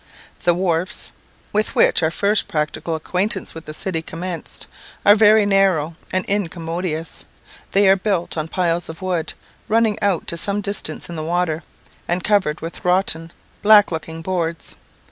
The wharfs, with which our first practical acquaintance with the city commenced, are very narrow and incommodious. They are built on piles of wood, running out to some distance in the water, and covered with rotten, black looking boards.